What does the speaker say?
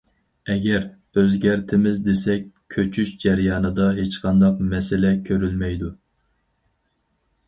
ئەگەر، ئۆزگەرتىمىز دېسەك كۆچۈش جەريانىدا ھېچقانداق مەسىلە كۆرۈلمەيدۇ.